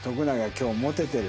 今日モテてる。